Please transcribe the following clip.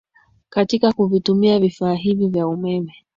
katika kuvitumia vifaa hivi vya umeme